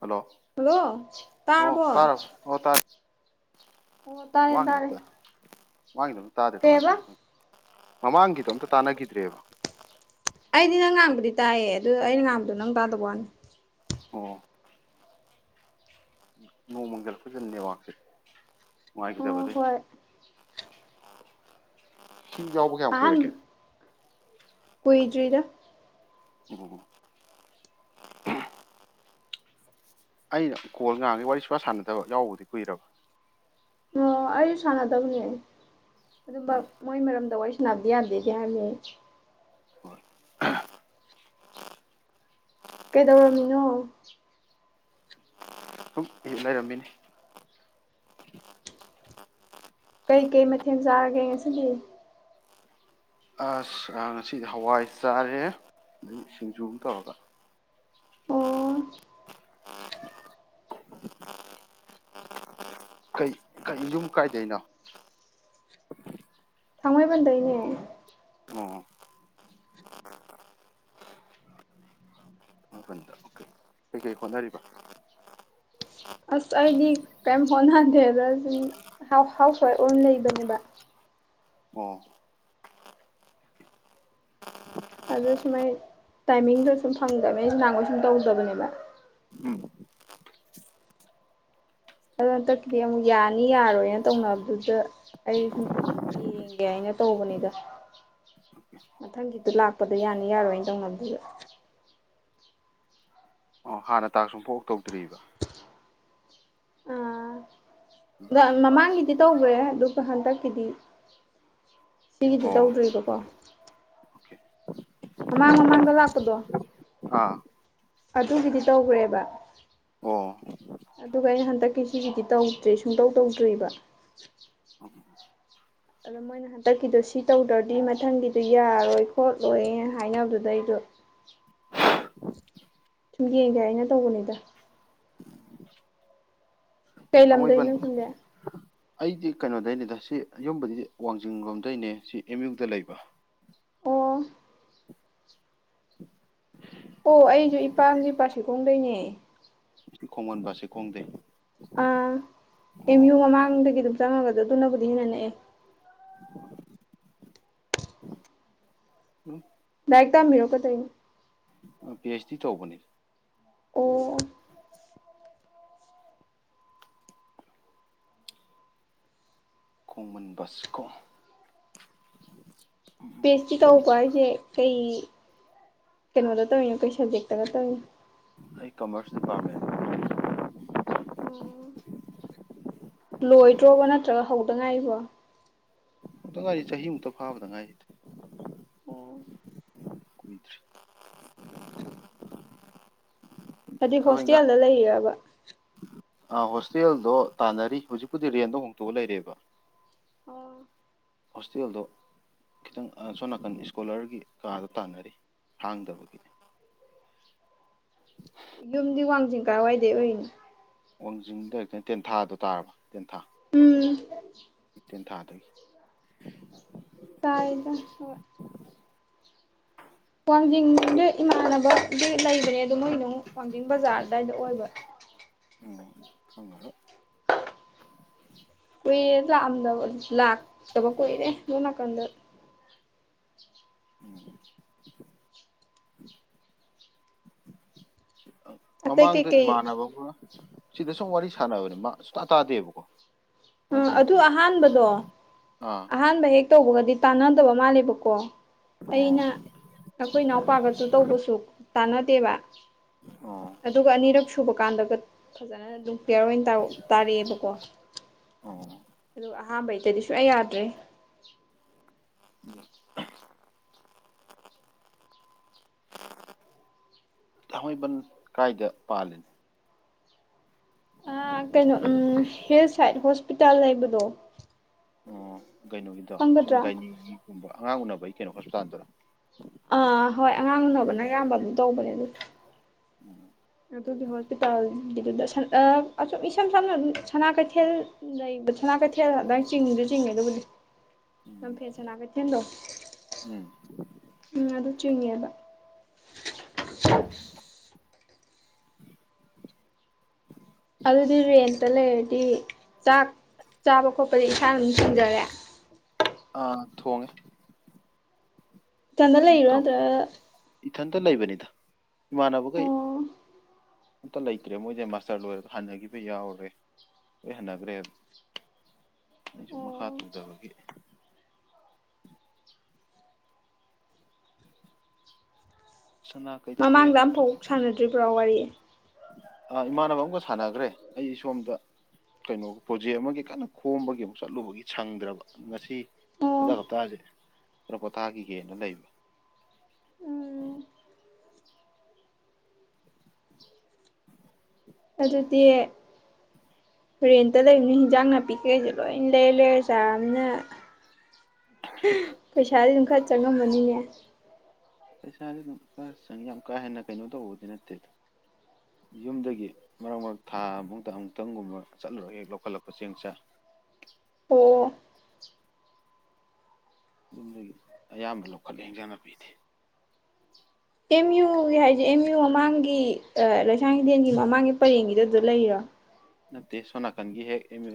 hello ꯜꯂꯣ ꯇꯥꯔꯕꯣ ꯑꯣ ꯑꯣ ꯇꯥꯔꯦ ꯑꯣ ꯇꯥꯔꯦ ꯃꯃꯥꯡꯒꯤꯗꯣ ꯇꯥꯔꯦ ꯑꯝꯇ ꯃꯃꯥꯡꯒꯤꯗꯣ ꯑꯝ ꯇꯥꯗꯦ ꯀꯃꯥꯏ ꯀꯩꯕ ꯇꯧꯏꯅꯣ ꯃꯃꯥꯡꯒꯤꯗꯣ ꯑꯝꯇ ꯇꯥꯟꯅꯈꯤꯗ꯭ꯔꯦꯕ ꯑꯩꯗꯤ ꯅꯪ ꯉꯥꯡꯕꯗꯤ ꯇꯥꯏꯌꯦ ꯑꯗꯨ ꯑꯩꯅ ꯉꯥꯡꯕꯗꯣ ꯅꯪ ꯇꯥꯗꯕ ꯋꯥꯅꯤ ꯑꯣ ꯅꯣꯡ ꯃꯪꯖꯜꯂꯛꯄꯖꯤꯗ ꯅꯦꯠꯋꯥꯔꯛꯁꯦ ꯅꯨꯡꯉꯥꯏꯒꯤꯗꯕ ꯑꯣ ꯑꯗꯨꯏꯅꯤ ꯍꯣꯏ ꯁꯤ ꯌꯥꯎꯕ ꯀꯌꯥꯝ ꯑꯍꯥꯟ ꯀꯨꯏꯔꯒꯦ ꯀꯨꯏꯗ꯭ꯔꯤꯗ ꯑꯣ ꯑꯩꯅ ꯀꯣꯜ ꯅꯍꯥꯟꯒꯩ ꯋꯥꯔꯤ ꯁꯨꯡꯁꯥꯟ ꯁꯥꯟꯅꯗꯕ ꯌꯥꯎꯕꯕꯨꯗꯤ ꯀꯨꯏꯔꯕ ꯑꯣ ꯑꯩꯖꯨ ꯁꯥꯟꯅꯗꯕꯅꯤ ꯑꯗꯨꯝꯕ ꯎꯝ ꯃꯣꯏ ꯃꯔꯝꯗ ꯋꯥꯔꯤ ꯁꯥꯟꯅꯕꯗꯤ ꯌꯥꯗꯦꯗꯤ ꯍꯥꯏꯕꯅꯦ ꯑꯍꯥ ꯀꯩꯗꯧꯔꯝꯃꯤꯅꯣ ꯁꯨꯝ ꯑ ꯂꯩꯔꯝꯃꯤꯅꯤ ꯀꯩ ꯀꯩ ꯃꯊꯦꯜ ꯆꯥꯔꯒꯦ ꯉꯁꯤꯒꯤ ꯑꯁ ꯉꯁꯤꯗꯤ ꯍꯋꯥꯏ ꯆꯥꯔꯦ ꯑꯗꯒꯤ ꯁꯤꯡꯖꯨ ꯑꯃ ꯇꯧꯔꯒ ꯑꯣ ꯀꯩ ꯌꯨꯝ ꯀꯥꯏꯗꯩꯅꯣ ꯊꯥꯡꯃꯩꯕꯟꯗ ꯩꯅꯦ ꯑꯣ ꯃꯥꯄꯜꯗ ꯑꯣꯀꯦ ꯀꯩꯀꯩ ꯍꯣꯠꯅꯔꯤꯕ ꯑꯁ ꯑꯩꯗꯤ ꯀꯩꯝ ꯍꯣꯠꯅꯗꯦꯗ ꯑꯗꯨꯨꯝ ꯍꯥꯎ ꯍꯥꯎꯁꯋꯥꯏꯐ ꯑꯣꯏꯅ ꯂꯩꯕꯅꯦꯕ ꯑꯣ ꯑꯗꯨ ꯁꯨꯝ ꯑꯩ ꯇꯥꯏꯃꯤꯡꯗꯣ ꯁꯨꯝ ꯐꯪꯗꯕꯩ ꯑꯩ ꯅꯍꯥꯟꯈꯣꯏ ꯁꯨꯝ ꯇꯧꯗꯕꯅꯦꯕ ꯑꯗꯨ ꯍꯟꯗꯛꯀꯤꯗꯤ ꯑꯃꯨꯛ ꯌꯥꯅꯤ ꯌꯥꯔꯣꯏꯅ ꯇꯧꯅꯕꯗꯨꯗ ꯑꯩ ꯁꯨꯝ ꯌꯦꯡꯒꯦ ꯍꯥꯏꯅ ꯇꯧꯕꯅꯤꯗ ꯃꯊꯪꯒꯤꯗ ꯂꯥꯛꯄꯗ ꯌꯥꯅꯤ ꯌꯥꯔꯣꯏꯅ ꯇꯧꯅꯕꯗꯨꯗ ꯑꯣ ꯍꯥꯟꯅ ꯇꯥꯛꯁ ꯑꯃꯨꯛꯐꯥꯎ ꯇꯧꯗ꯭ꯔꯤꯕ ꯑ ꯃꯃꯥꯡꯒꯤꯗꯤ ꯇꯧꯈ꯭ꯔꯦ ꯑꯗꯨꯒ ꯍꯟꯗꯛꯀꯤꯗꯤ ꯁꯤꯒꯤꯗꯤ ꯑꯣ ꯇꯧꯗ꯭ꯔꯤꯕꯀꯣ ꯑꯣꯀꯦ ꯃꯃꯥꯡ ꯃꯃꯥꯡꯗ ꯂꯥꯛꯄꯗꯣ ꯑꯥ ꯑꯗꯨꯒꯤꯗꯤ ꯇꯧꯈ꯭ꯔꯦꯕ ꯑꯣ ꯑꯗꯨꯒ ꯑꯩꯅ ꯍꯟꯗꯛꯀꯤꯦꯖꯤꯒꯤꯗꯤ ꯇꯧꯗ꯭ꯔꯦ ꯁꯨꯡꯇꯧ ꯇꯧꯗ꯭ꯔꯤꯕ ꯑꯗꯣ ꯃꯣꯏꯅ ꯍꯟꯗꯛꯀꯤꯗꯣ ꯁꯤ ꯇꯧꯗ꯭ꯔꯗꯤ ꯃꯊꯪꯒꯤꯗꯣ ꯌꯥꯔꯣꯏ ꯈꯣꯠꯂꯣꯏ ꯍꯥꯏꯅꯕꯗꯨꯗ ꯑꯩꯗꯣ ꯁꯨꯝ ꯌꯦꯡꯒꯦ ꯑꯩꯅ ꯇꯧꯕꯅꯤꯗ ꯀꯩ ꯊꯥꯡꯃꯩꯕꯟ ꯂꯝꯗꯣꯏꯅꯣ ꯈꯂꯦ ꯑꯩꯗꯤ ꯀꯩꯅꯣꯗꯩꯅꯦꯗ ꯁꯤ ꯌꯨꯝꯕꯗꯤ ꯋꯥꯡꯖꯤꯡ ꯂꯣꯝꯗꯩꯅꯦ ꯁꯤ ꯑꯦꯝ ꯌꯨꯗ ꯂꯩꯕ ꯑꯣ ꯑꯣ ꯑꯩꯁꯨ ꯏꯄꯥꯝꯒꯤ ꯄꯕꯥꯁꯤꯈꯣꯡꯗꯩꯅꯦ ꯈꯣꯡꯃꯟꯕꯁꯦ ꯈꯣꯡꯗꯦꯏ ꯑꯥ ꯑꯦꯝ ꯌꯨ ꯑꯃꯃꯥꯡ ꯊ ꯀꯗ ꯆꯃꯒꯗꯣ ꯑꯗꯨꯅ ꯀꯗꯤꯅꯅꯦ ꯊꯃꯤꯔꯣ ꯀꯩꯗꯧꯔꯤꯅꯣ ꯄꯤ ꯑꯩꯆ ꯗꯤ ꯇꯧꯕꯅꯤ ꯑꯣ ꯁꯀꯣꯝ ꯄꯤꯁꯇꯤ ꯁꯨꯝ ꯀꯧꯛꯄ ꯍꯥꯏꯁꯦ ꯀꯩ ꯀꯩꯅꯣꯗ ꯇꯧꯔꯤꯅꯣ ꯀꯩ ꯁꯕꯖꯦꯛꯇꯒ ꯇꯧꯔꯤꯅꯣ ꯑꯩ ꯀꯃꯔꯁ ꯗꯤꯄꯥꯔꯠꯃꯦꯟ ꯑꯣ ꯂꯣꯏꯗ꯭ꯔꯣꯕ ꯅꯠꯇ꯭ꯔꯒ ꯍꯧꯗꯉꯥꯏꯕ ꯑꯃꯨꯛꯇ ꯉꯥꯏꯔꯤ ꯆꯍꯤꯃꯨꯛꯇ ꯐꯥꯕꯗ ꯉꯥꯏꯔꯤꯗꯤ ꯑꯣꯝ ꯍꯥꯏꯗꯤ ꯍꯣꯁꯇꯦꯜꯗ ꯂꯩꯌꯦꯔꯕ ꯑ ꯍꯣꯁꯇꯦꯜꯗꯣ ꯇꯥꯟꯅꯔꯤ ꯍꯧꯖꯤꯛꯄꯨꯗꯤ ꯔꯦꯟꯗꯣ ꯍꯣꯡꯇꯣꯛꯑ ꯂꯩꯔꯦꯕ ꯑꯣ ꯍꯣꯁꯇꯦꯜꯗꯣ ꯈꯤꯇꯪꯁꯣꯝ ꯅꯥꯀꯟ ꯏꯁꯀꯣꯂꯔꯒꯤ ꯀꯥꯗꯣ ꯇꯥꯟꯅꯔꯤ ꯍꯥꯡꯗꯕꯒꯤ ꯌꯨꯝꯗꯤ ꯋꯥꯡꯖꯤꯡ ꯀꯥꯏꯋꯥꯏꯗꯩ ꯑꯣꯏꯅꯤꯣ ꯋꯥꯡꯖꯤꯡꯗ ꯍꯦꯛꯇꯪ ꯇꯦꯟꯊꯥꯗꯣ ꯇꯥꯔꯕ ꯍꯥ ꯎꯝ ꯍꯥ [unintelligible] ꯇꯥꯏꯇꯦ ꯇꯥꯏ ꯋꯥꯡꯖꯤꯡꯗ ꯏꯃꯥꯟꯅꯕꯗꯤ ꯂꯩꯕꯅꯦ ꯑꯗꯨ ꯃꯣꯏꯅꯨ ꯋꯥꯡꯖꯤꯡ ꯕꯖꯥꯔ ꯑꯗꯨꯗꯥꯏꯗ ꯑꯣꯏꯕ ꯎꯝ ꯈꯪꯉꯔꯣꯏ ꯀꯨꯏꯔꯦ ꯂꯥꯛꯑꯝꯗꯕ ꯂꯥꯛꯇꯕ ꯀꯨꯏꯔꯦ ꯂꯣ ꯅꯥꯀꯟꯗ ꯑꯇꯩ ꯃꯃꯥꯡꯗ ꯀꯩꯀꯩ ꯏꯃꯥꯟꯅꯕ ꯑꯥꯃꯥ ꯁꯤꯗ ꯁꯨꯝ ꯋꯥꯔꯤ ꯁꯥꯟꯅꯕꯅꯦ ꯃꯥ ꯁꯨꯡꯇꯥ ꯇꯥꯗꯦꯕꯀꯣ ꯀꯃꯥꯏꯅ ꯎꯝ ꯇꯧꯔꯤꯅꯣ ꯑꯗꯨ ꯈꯪꯗꯦ ꯑꯍꯥꯟꯕꯗꯣ ꯑꯥ ꯑꯍꯥꯟꯕ ꯍꯦꯛ ꯇꯧꯕꯒꯗꯤ ꯇꯥꯟꯅꯗꯕ ꯃꯥꯜꯂꯦꯕꯀꯣ ꯑꯩꯅ ꯑꯣ ꯑꯩꯈꯣꯏ ꯏꯅꯥꯎꯄꯥꯒꯁꯨ ꯇꯧꯕꯁꯨ ꯇꯥꯟꯅꯗꯦꯕ ꯑꯣ ꯑꯗꯨꯒ ꯑꯅꯤꯔꯛ ꯁꯨꯕ ꯀꯥꯟꯗꯒ ꯐꯖꯅ ꯑꯗꯨꯝ ꯄꯤꯌꯥꯔ ꯑꯣꯏꯅ ꯇꯥꯔꯛꯑꯦꯕꯀꯣ ꯑꯣ ꯑꯗꯨ ꯑꯍꯥꯟꯕꯩꯗꯗꯤꯁꯨ ꯑꯩ ꯎꯃ ꯊꯥꯡꯃꯩꯕꯟ ꯀꯥꯏꯗ ꯄꯥꯜꯂꯤ ꯑ ꯀꯩꯅꯣ ꯎꯝ ꯍꯤꯜ ꯁꯥꯏꯠ ꯍꯣꯁꯄꯤꯇꯥꯜ ꯂꯩꯕꯗꯣ ꯩꯅꯣꯒꯤꯗꯣ ꯈꯪꯒꯗ꯭ꯔꯥ ꯁꯨꯝꯒꯨꯝ ꯑꯉꯥꯡ ꯎꯅꯕ ꯀꯩꯅꯣ ꯍꯁꯇꯥꯥꯟꯔ ꯑ ꯍꯣꯏ ꯑꯉꯥꯡ ꯎꯅꯕꯅ ꯑꯌꯥꯝꯕ ꯑꯗꯨꯝ ꯇꯧꯕꯅꯦ ꯑꯣ ꯑꯗꯨꯒꯤ ꯍꯣꯁꯄꯤꯇꯥꯜꯒꯤꯗꯨꯗ ꯏꯁꯝ ꯁꯝꯅ ꯁꯅꯥ ꯀꯩꯊꯦꯜ ꯂꯩꯕ ꯁꯅꯥ ꯀꯩꯊꯦꯜꯗꯪ ꯆꯤꯡꯗ ꯆꯤꯡꯉꯦ ꯑꯗꯨꯕꯨꯗꯤ ꯂꯝꯝꯐꯦꯜꯠ ꯁꯅꯥ ꯀꯩꯊꯦꯜꯗꯣ ꯎꯝ ꯎꯝ ꯑꯗꯨ ꯆꯤꯡꯉꯦꯕ ꯑꯗꯨꯗꯤ ꯔꯦꯟꯇ ꯂꯩꯔꯗꯤ ꯆꯥꯛ ꯆꯥꯕ ꯈꯣꯠꯄꯗꯤ ꯏꯁꯥꯅ ꯑꯗꯨꯝ ꯆꯁꯤꯡꯖꯔꯦ ꯑꯥ ꯊꯣꯡꯉꯦ ꯀꯃꯦꯂ ꯏꯕ ꯇꯔ ꯑꯝꯇ ꯂꯩꯕꯅꯤꯗ ꯏꯃꯥꯟꯅꯕꯈꯩ ꯑꯝꯇ ꯂꯩꯇ꯭ꯔꯦ ꯃꯣꯏꯁꯦ ꯃꯥꯁꯇꯔ ꯂꯣꯏꯔꯒ ꯍꯟꯅꯈꯤꯕ ꯌꯥꯎꯔꯦ ꯂꯣꯏ ꯍꯟꯅꯈ꯭ꯔꯦꯕ ꯑꯩꯁꯨ ꯃꯈꯥ ꯑꯣ ꯇꯧꯊꯕꯒꯤ ꯁꯅꯥ ꯀꯩꯊꯦꯜ ꯃꯃꯥꯡꯗ ꯑꯝꯐꯥꯎ ꯁꯥꯟꯅꯗ꯭ꯔꯤꯕ꯭ꯔꯣ ꯋꯥꯔꯤ ꯑ ꯏꯃꯥꯟꯅꯕ ꯑꯃꯒ ꯁꯥꯟꯅꯈ꯭ꯔꯦ ꯑꯩ ꯁꯣꯝꯗ ꯀꯩꯅꯣ ꯄ꯭ꯔꯣꯖꯦꯛ ꯑꯃꯒꯤ ꯀꯟꯅ ꯈꯣꯝꯕꯒꯤ ꯑꯃꯨꯛ ꯆꯠꯂꯨꯕꯒꯤ ꯁꯪꯗ꯭ꯔꯕ ꯉꯁꯤ ꯑꯣ ꯍꯖ ꯀꯞꯇꯥꯁꯦ ꯀꯩꯅ ꯄꯣꯊꯥꯈꯤꯒꯦꯅ ꯂꯩꯕ ꯎꯝ ꯑꯗꯨꯗꯤ ꯔꯦꯟꯇ ꯂꯩꯕꯅꯤ ꯍꯟꯖꯥꯡ ꯅꯥꯄꯤ ꯀꯩꯀꯩꯁꯦ ꯂꯣꯏ ꯂꯩꯔ ꯂꯩꯔ ꯆꯥꯔꯝꯅ ꯄꯩꯁꯥꯗꯤ ꯑꯗꯨꯝ ꯈꯔ ꯆꯪꯉꯝꯝꯕꯅꯤꯅꯦ ꯄꯩꯁꯥꯥꯁ ꯑꯗꯨꯝ ꯈ ꯆꯪꯉ ꯌꯥꯝ ꯀꯥ ꯍꯦꯟꯅ ꯀꯩꯅꯣ ꯇꯧꯕꯗꯤ ꯅꯠꯇꯦ ꯌꯨꯝꯗꯒꯤ ꯃꯔꯛ ꯃꯔꯛ ꯊꯥ ꯑꯃꯨꯛꯇ ꯑꯃꯨꯛꯇꯪꯒꯨꯝꯕ ꯆꯠꯂꯨꯔꯒ ꯍꯦꯛ ꯂꯧꯈꯠꯂꯛꯄ ꯆꯦꯡ ꯆꯥꯛ ꯑꯣ ꯑꯗꯨꯨꯝ ꯑꯌꯥꯝꯕ ꯂꯧꯈꯠꯂ ꯍꯦꯡꯖꯅ ꯄꯤꯗꯦ ꯑꯦꯝ ꯌꯨꯒꯤ ꯍꯥꯏꯁꯦ ꯑꯦꯝꯌꯨ ꯃꯃꯥꯡꯒꯤ ꯂꯩꯁꯥꯡ ꯍꯤꯗꯦꯟꯒꯤ ꯃꯃꯥꯡꯒꯤ ꯄꯔꯦꯡꯒꯤꯗ ꯑꯗꯨ ꯂꯩꯔꯣ ꯅꯠꯇꯦ ꯁꯣꯅꯥꯀꯟꯒꯤ ꯍꯦꯛ ꯑꯦꯝ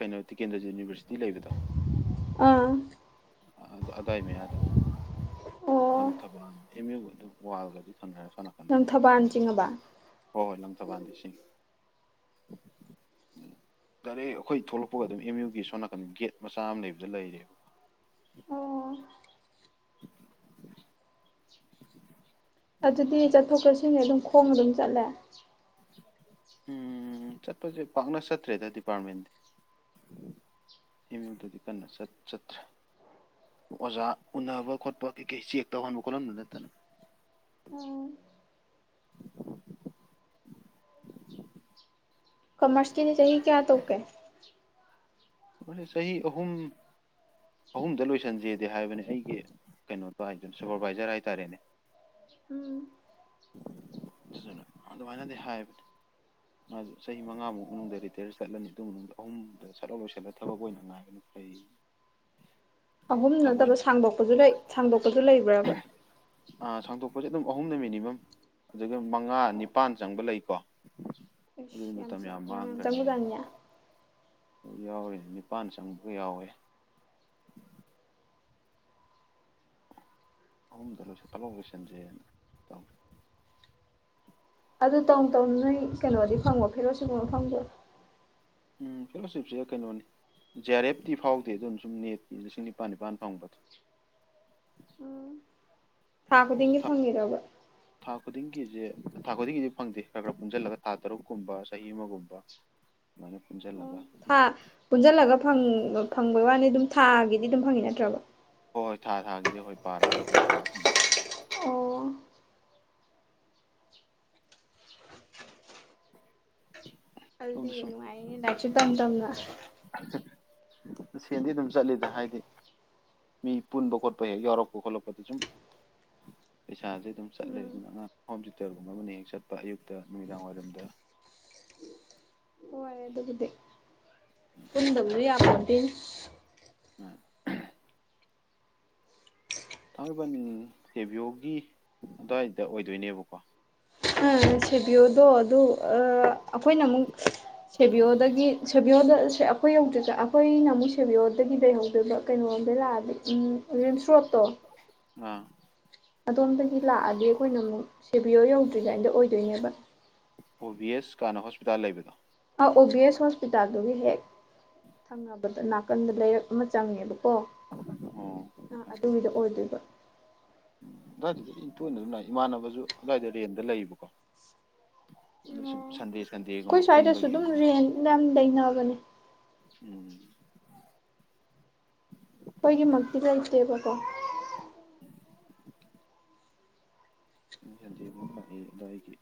ꯀꯩꯅꯣ ꯇꯤꯀꯦꯟꯗ꯭ꯔ ꯌꯨꯅꯤꯚꯔꯁꯤꯇꯤ ꯂꯩꯕꯗꯣ ꯑꯥ ꯑꯗꯥꯏꯅꯦ ꯑ ꯑꯣ ꯟꯊꯕꯥ ꯏꯃꯤ ꯑꯗꯨꯝ ꯋꯥꯜꯒꯗꯤ ꯊꯅꯔ ꯅꯪ ꯊꯕꯥꯅ ꯆꯤꯡꯉꯕ ꯍꯣꯏ ꯍꯣꯏ ꯂꯪꯊꯕꯥꯜꯗꯤ ꯁꯤꯡꯉꯤ ꯗꯥꯏꯔꯦꯛ ꯑꯩꯈꯣꯏ ꯊꯣꯛꯂꯛꯄꯒ ꯑꯗꯨꯝ ꯑꯦꯝ ꯌꯨꯒꯤ ꯁꯣ ꯅꯥꯀꯟ ꯒꯦꯠ ꯃꯆꯥ ꯑꯃ ꯂꯩꯕꯗ ꯂꯩꯔꯦꯕꯀꯣ ꯑꯣ ꯑꯗꯨꯗꯤ ꯆꯠꯊꯣꯛ ꯆꯠꯁꯤꯅꯦ ꯑꯗꯨꯝ ꯈꯣꯡꯅ ꯑꯗꯨꯝ ꯆꯠꯂꯦ ꯎꯝ ꯆꯠꯄꯁꯦ ꯄꯥꯛꯅ ꯆꯠꯇ꯭ꯔꯦꯗ ꯗꯤꯄꯥꯔꯠ ꯃꯦꯟꯗꯤ ꯑꯦꯝ ꯌꯨꯗꯗꯤ ꯀꯟꯅ ꯆꯠꯇ꯭ꯔꯦ ꯑꯣꯖꯥ ꯎꯅꯕ ꯈꯣꯠꯄ ꯀꯩ ꯀꯩ ꯆꯦꯛ ꯇꯧꯍꯟꯕ ꯈꯣꯠꯍꯟꯕ ꯅꯠꯇꯅ ꯀꯃꯔꯁꯀꯤꯅꯤ ꯆ ꯆꯍꯤ ꯀꯌꯥ ꯇꯀꯦ ꯆꯍꯤ ꯑꯍꯨꯝ ꯑꯍꯨꯝꯗ ꯂꯣꯏꯁꯤꯟꯖꯦꯗꯦ ꯍꯥꯏꯕꯅꯤ ꯑꯩꯒꯤ ꯀꯩꯅꯣꯗꯣ ꯍꯥꯏꯗꯨꯅ ꯁꯨꯄꯔꯚꯥꯏꯖꯔ ꯍꯥꯏꯇꯥꯔꯦꯅꯦꯅ ꯑꯗꯨꯃꯥꯏꯅꯗꯤ ꯍꯥꯏꯕꯅꯦ ꯃꯥꯁꯨ ꯆꯍꯤ ꯃꯉꯥꯃꯨꯛ ꯃꯅꯨꯡꯗ ꯔꯤꯇꯌꯔ ꯆꯠꯂꯅꯤ ꯑꯗꯨ ꯃꯅꯨꯡꯗ ꯑꯍꯨꯝꯗ ꯁꯠꯂ ꯂꯣꯏꯁꯜꯂ ꯊꯕꯛ ꯑꯣꯏꯅ ꯉꯥꯏꯕꯅ ꯐꯩ ꯑꯍꯨꯝ ꯊꯕꯛ ꯑꯣꯏꯅ ꯅꯠꯇꯕ ꯁꯥꯡꯗꯣꯛꯄꯁꯨ ꯂꯩ ꯁꯥꯡꯗꯣꯛꯄꯁꯨ ꯂꯩꯕ꯭ꯔꯕ ꯄꯣꯠꯁꯦ ꯑꯗꯨꯝ ꯑꯍꯨꯝꯅ ꯃꯤꯅꯤꯃꯝ ꯑꯗꯨꯒ ꯃꯉꯥ ꯅꯤꯄꯥꯟ ꯆꯪꯕ ꯂꯩꯀꯣ ꯑꯗꯨꯗꯤ ꯃꯇꯝ ꯌꯥꯝꯁ ꯌꯥꯝ ꯆ ꯃꯗꯥꯅꯤꯌꯥ ꯌꯥꯎꯔꯤ ꯅꯤꯄꯜ ꯆꯪꯕꯒ ꯌꯥꯎꯋꯦ ꯑꯍꯨꯝꯗ ꯂꯣꯏꯁꯤꯠꯇꯂꯥꯎ ꯂꯣꯏꯁꯤꯟꯖꯩꯅ ꯇꯧꯏ ꯑꯗꯨ ꯇꯧ ꯇꯧ ꯅꯣꯏ ꯀꯩꯅꯣꯗꯤ ꯐꯪꯉꯣ ꯐꯤꯔꯣ ꯁꯤꯒꯨꯝꯕꯣ ꯐꯪꯗꯣ ꯎꯝ ꯐꯦꯂꯣꯁꯤꯞꯁꯤꯗ ꯀꯩꯅꯣꯅꯤ ꯖꯤ ꯑꯥꯔ ꯑꯦꯐꯇꯤ ꯐꯥꯎꯗꯦ ꯑꯗꯨꯅ ꯁꯨꯝ ꯅꯦꯠꯀꯤ ꯂꯤꯁꯤꯡ ꯅꯤꯄꯥꯜ ꯅꯤꯄꯥꯜ ꯐꯪꯕꯗ ꯊꯥ ꯈꯨꯗꯤꯡꯒꯤ ꯐꯪꯈꯤꯗꯔꯕ ꯊꯥ ꯈꯨꯗꯤꯡꯒꯤꯁꯦ ꯊꯥ ꯈꯨꯗꯤꯡꯒꯤꯗꯤ ꯐꯪꯗꯦ ꯈꯔ ꯈꯔ ꯄꯨꯟꯁꯤꯜꯂꯒ ꯊꯥ ꯇꯔꯨꯛꯀꯨꯝꯕ ꯆꯍꯤ ꯑꯃꯒꯨꯝꯕ ꯑꯗꯨꯃꯥꯏꯅ ꯄꯨꯟꯁꯤꯜꯂꯒ ꯑꯣ ꯊꯥ ꯄꯨꯟꯁꯤꯜꯂꯒ ꯐꯪꯕꯩ ꯋꯥꯅꯤ ꯑꯗꯨꯝ ꯊꯥꯒꯤꯗꯤ ꯑꯗꯨꯝ ꯐꯪꯉꯤ ꯅꯠꯇ꯭ꯔꯕ ꯍꯣꯏ ꯍꯣꯏ ꯊꯥꯒꯤꯗꯤ ꯍꯣꯏ ꯄꯥꯔꯛꯑꯒ ꯑꯗꯨꯝ ꯐꯪꯅꯤ ꯐꯪꯅꯤ ꯑꯣ ꯑꯗꯨꯜꯗꯤ ꯁꯣꯝꯗ ꯁꯨꯝ ꯅꯨꯡꯉꯥꯏꯅꯦ ꯂꯥꯏꯁꯨ ꯇꯝ ꯇꯝꯅ ꯁꯦꯟꯗꯤ ꯑꯗꯨꯝ ꯆꯠꯂꯤꯗ ꯍꯥꯏꯗꯤ ꯃꯤ ꯄꯨꯟꯕ ꯈꯣꯠꯄ ꯍꯦꯛ ꯌꯥꯎꯔꯛꯄ ꯈꯣꯠꯂꯛꯄꯗ ꯁꯨꯝ ꯄꯩꯁꯥꯁꯦ ꯑꯗꯨꯝ ꯆꯠꯂꯦ ꯎꯝ ꯑꯗꯨꯅ ꯑꯉꯥꯡ ꯍꯣꯝ ꯊꯌꯨꯇꯔꯒꯨꯝꯕ ꯑꯃꯅ ꯍꯦꯛ ꯆꯠꯄ ꯑꯌꯨꯛꯇ ꯅꯨꯃꯤꯗꯥꯡ ꯋꯥꯏꯔꯝꯗ ꯍꯔꯦ ꯑꯗꯨꯕꯨꯗꯤ ꯄꯨꯗꯅ ꯌꯥ ꯆꯕꯤꯁ ꯎꯝ ꯊꯥꯡꯃꯩꯕꯟ ꯁꯦꯕꯤꯌꯣꯒꯤ ꯑꯗꯨꯋꯥꯏꯗ ꯑꯣꯏꯗꯣꯏꯅꯦꯕꯀꯣ ꯁꯦꯕꯤꯌꯣꯗꯣ ꯑꯗꯨ ꯑꯩꯈꯣꯏꯅ ꯑꯃꯨꯛ ꯁꯦꯕꯤꯌꯣꯗꯒꯤ ꯁꯦꯕꯤꯌꯣꯗ ꯑꯁꯦ ꯑꯩꯈꯣꯏ ꯌꯧꯗ꯭ꯔꯤꯗ ꯑꯩꯈꯣꯏꯅ ꯑꯃꯨꯛ ꯁꯦꯕꯤꯌꯣꯗꯒꯤ ꯂꯩꯍꯧꯗꯣꯏꯕ ꯀꯩꯅꯣꯔꯣꯝꯗꯩ ꯂꯥꯛꯑꯗꯤ ꯎꯝꯔꯤꯝꯁ ꯔꯣꯠ ꯑꯥ ꯑꯗꯣꯝꯗꯒꯤ ꯂꯥꯛꯑꯗꯤ ꯑꯩꯈꯣꯏꯅ ꯑꯃꯨꯛ ꯁꯦꯕꯤꯌꯣ ꯌꯧꯗ꯭ꯔꯤꯉꯥꯏꯗ ꯑꯣꯏꯗꯣꯏꯅꯦꯕ ꯑꯣ ꯕꯤ ꯑꯦꯁ ꯀꯥꯟꯅ ꯍꯣꯁꯄꯤꯇꯥꯜ ꯂꯩꯕꯗꯣ ꯑꯣ ꯕꯤ ꯑꯦꯁ ꯍꯣꯁꯄꯤꯇꯥꯜꯗꯨꯒꯤ ꯍꯦꯛ ꯊꯪꯅꯕꯗ ꯅꯥꯀꯟꯗ ꯂꯩꯔꯛ ꯑꯃ ꯆꯪꯉꯦꯕꯀꯣ ꯀꯣ ꯑꯣ ꯑ ꯑꯗꯨꯒꯤꯗꯣ ꯑꯣꯏꯗꯣꯏꯕ ꯎꯝ ꯑꯗꯨꯋꯥꯏꯗꯨꯗꯤ ꯑꯩ ꯇꯣꯏꯅꯗꯨꯝ ꯂꯛ ꯏ ꯏꯃꯥꯟꯅꯕꯁꯨ ꯑꯗꯨꯋꯥꯏꯗ ꯔꯦꯟꯗ ꯂꯩꯌꯦꯕꯀꯣ ꯑꯗ ꯑꯣ ꯁꯨꯝ ꯁꯟꯗꯦ ꯑꯩꯈꯣꯏ ꯁꯟꯗꯦꯒꯨꯝꯕ ꯁ꯭ꯋꯥꯏꯗꯁꯨ ꯄꯨꯟꯕꯒꯤ ꯑꯗꯨꯝ ꯔꯦꯟ ꯌꯥꯝ ꯂꯩꯅꯕꯅꯦ ꯎꯝ ꯑꯩꯈꯣꯏꯒꯤꯃꯛꯇꯤ ꯂꯩ ꯂꯩꯇꯦꯕꯀꯣ ꯗꯤ ꯃꯛ ꯂꯏꯒꯤ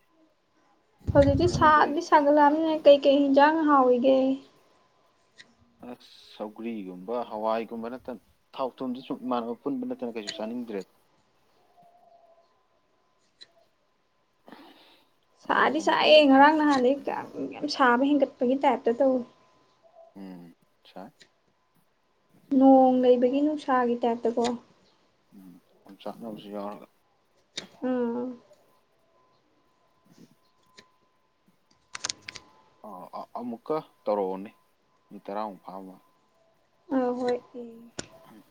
ꯍꯧꯖꯤꯛꯗꯤ ꯁꯕꯗꯤ ꯁꯒꯠꯂꯛꯑꯕꯅꯤꯅ ꯀꯩ ꯀꯩ ꯍꯤꯟꯖꯥꯡ ꯍꯥꯎꯔꯤꯒꯦ ꯑꯁ ꯁꯧꯒ꯭ꯔꯤꯒꯨꯝꯕ ꯍꯋꯥꯏꯒꯨꯝꯕ ꯅꯠꯇꯅ ꯊꯥꯎ ꯊꯨꯝꯖꯦ ꯁꯨꯝ ꯏꯃꯥꯟꯅꯕ ꯄꯨꯟꯕ ꯅꯠꯇꯅ ꯀꯩꯁꯨ ꯆꯥꯅꯤꯡꯗ꯭ꯔꯦꯗ ꯁꯥꯗꯤ ꯑꯥꯔꯧꯒꯨꯝꯕ ꯈꯔ ꯁꯥꯏꯍꯦ ꯉꯔꯥꯡ ꯆꯥꯅꯤꯡ ꯅꯍꯥꯟꯗꯩꯩ ꯌꯥꯝ ꯁꯥꯕ ꯍꯦꯟꯒꯠ ꯄꯒꯤ ꯇ ꯌꯞꯇ ꯇꯧꯋꯤ ꯎꯝ ꯁꯥꯏ ꯅꯣꯡ ꯂꯩꯕꯒꯤ ꯅꯨꯡꯁꯥꯒꯤ ꯇꯥꯏꯞꯇꯀꯣ ꯎꯝ ꯑꯣꯝꯆꯥꯛꯅꯖꯨ ꯌꯥꯎꯔꯒꯥ ꯎꯝ ꯑꯥ ꯑꯥ ꯑꯃꯨꯛꯀ ꯇꯧꯔꯛꯑꯣꯅꯦ ꯃꯤꯅꯤꯠ ꯇꯔꯥꯃꯨꯛ ꯐꯥꯔꯃꯥꯜꯂꯦ ꯑ ꯍꯣꯏ ꯎꯝ ꯎꯝ